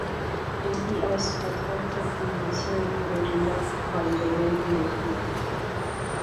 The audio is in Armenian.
Գետի այս հատուածը բնութեան իւրօրինակ վայրերէն մէկն է։